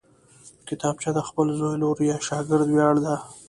کتابچه د خپل زوی، لور یا شاګرد ویاړ ده